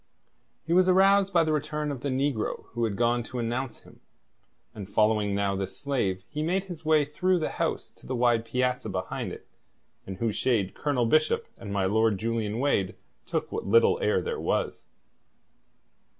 He was aroused by the return of the negro who had gone to announce him, and following now this slave, he made his way through the house to the wide piazza behind it, in whose shade Colonel Bishop and my Lord Julian Wade took what little air there was.